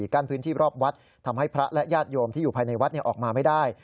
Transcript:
กั้นพื้นที่รอบวัดทำให้พระและญาติโยมที่อยู่ภายในวัดออกมาไม่ได้